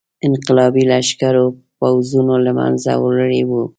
انقلابي لښکرو پوځونه له منځه وړي وو.